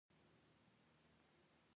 خټکی د خوړو یوه خواږه پایه ده.